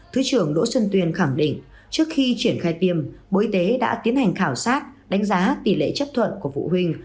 trước khi triển khai tiêm bộ y tế đã tiến hành khảo sát đánh giá tỷ lệ chấp thuận của phụ huynh